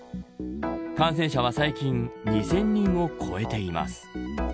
感染者は最近２０００人を超えています。